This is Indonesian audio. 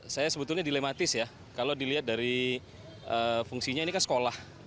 saya sebetulnya dilematis ya kalau dilihat dari fungsinya ini kan sekolah